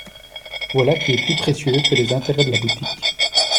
Voilà qui est plus précieux que les intérêts de la boutique!